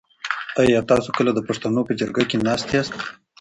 آیا تاسو کله د پښتنو په جرګه کي ناست یاست؟